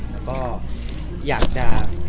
แล้วก็อยากจะ